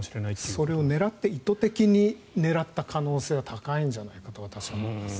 それを意図的に狙った可能性は高いんじゃないかと私は思います。